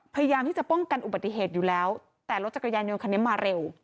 พยายามที่จะป้องกันอุบัติเหตุอยู่แล้วแต่รถจักรยานยนต์คันนี้มาเร็ว